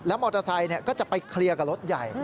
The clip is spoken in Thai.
มอเตอร์ไซค์ก็จะไปเคลียร์กับรถใหญ่